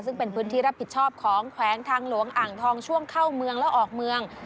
ซึ่งเป็นพื้นที่รับผิดชอบของแขวงทางหลวงอ่างทองช่วงเข้าเมืองแล้วออกเมือง